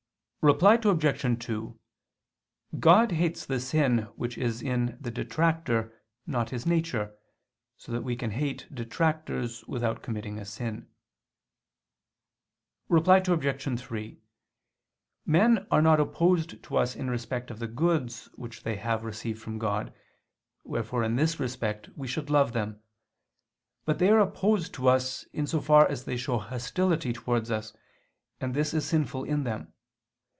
Reply Obj. 2: God hates the sin which is in the detractor, not his nature: so that we can hate detractors without committing a sin. Reply Obj. 3: Men are not opposed to us in respect of the goods which they have received from God: wherefore, in this respect, we should love them. But they are opposed to us, in so far as they show hostility towards us, and this is sinful in them.